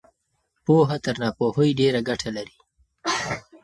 پوهه تر ناپوهۍ ډېره ګټه لري.